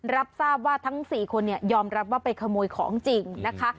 รับทราบว่าทั้ง๔คนยอมรับว่าไปขโมยของจริงนะคะ